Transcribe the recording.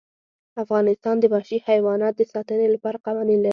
افغانستان د وحشي حیوانات د ساتنې لپاره قوانین لري.